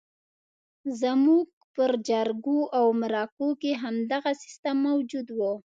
زموږ پر جرګو او مرکو کې همدغه سیستم موجود وو.